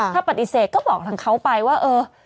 ถ้าปฏิเสธก็บอกทางเขาไปว่าเออ